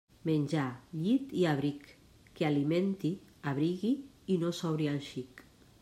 Menjar, llit i abric, que alimenti, abrigui i no sobri al xic.